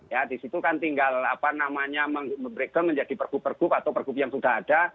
ya di situ kan tinggal apa namanya breakdown menjadi pergub pergub atau pergub yang sudah ada